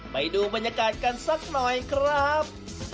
ไปดูบรรยากาศกันสักหน่อยครับ